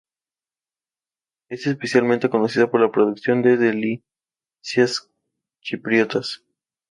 Es especialmente conocida por la producción de delicias chipriotas.